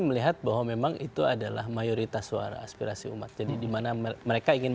melihat bahwa memang itu adalah mayoritas suara aspirasi umat jadi dimana mereka ingin